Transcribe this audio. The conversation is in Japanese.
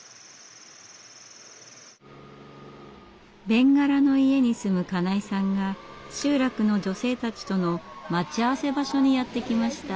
べんがらの家に住む金井さんが集落の女性たちとの待ち合わせ場所にやって来ました。